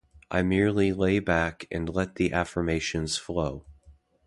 I merely lay back and let the affirmations flow.